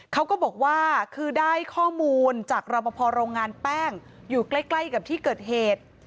เขาก็บอกว่าคือได้ข้อมูลจากรอปภโรงงานแป้งอยู่ใกล้กับที่เกิดเหตุ